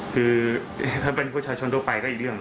คือถ้าเป็นประชาชนทั่วไปก็อีกเรื่อง